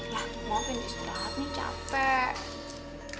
ya mau pengen istirahat nih capek